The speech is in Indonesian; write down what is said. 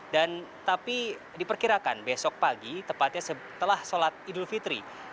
dan tapi diperkirakan besok pagi tepatnya setelah sholat idul fitri